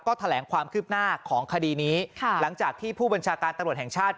ก็แถลงความคืบหน้าของคดีนี้ค่ะหลังจากที่ผู้บัญชาการตำรวจแห่งชาติ